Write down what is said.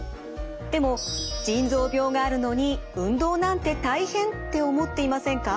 でも腎臓病があるのに運動なんて大変って思っていませんか？